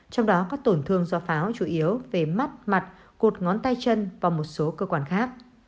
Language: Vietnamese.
trong đó các tổn thương do pháo chủ yếu về mắt mặt cột ngón tay chân và một số cơ quan khác